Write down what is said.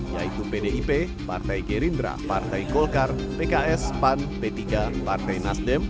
yaitu pdip partai gerindra partai golkar pks pan p tiga partai nasdem